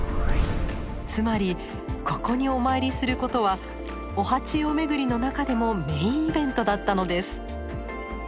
つまりここにお参りすることはお八葉めぐりの中でもメインイベントだったのです。